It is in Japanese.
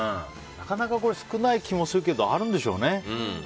なかなか少ない気もするけどあるんでしょうね。